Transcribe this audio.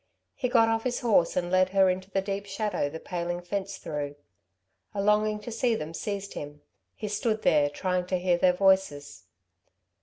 He got off his horse and led her into the deep shadow the paling fence threw. A longing to see them seized him. He stood there trying to hear their voices.